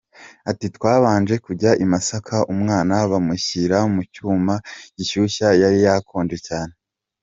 Ati “Twabanje kujya i Masaka, umwana bamushyira mu cyuma gishyushya yari yarakonje cyane .